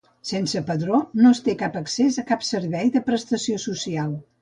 Sense padró no es té accés a cap servei de prestació social.